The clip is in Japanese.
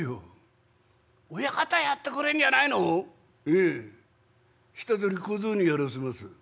「ええ下ぞり小僧にやらせます」。